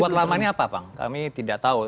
sekuat lama ini apa pang kami tidak tahu